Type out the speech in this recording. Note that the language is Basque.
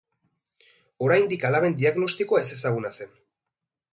Oraindik alaben diagnostikoa ezezaguna zen.